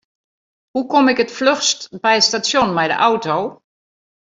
Hoe kom ik it fluchst by it stasjon mei de auto?